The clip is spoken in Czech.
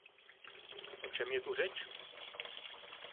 O čem je tu řeč?